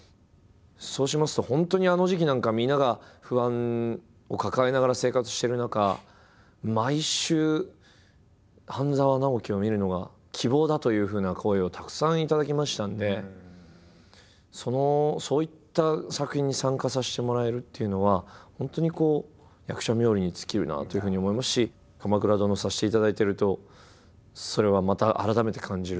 そうしますと本当にあの時期なんかはみんなが不安を抱えながら生活してる中毎週「半沢直樹」を見るのが希望だというふうな声をたくさん頂きましたのでそういった作品に参加させてもらえるっていうのは本当に役者冥利に尽きるなというふうに思いますし「鎌倉殿」をさせていただいているとそれはまた改めて感じるとこでしたね。